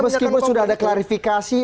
meskipun sudah ada klarifikasi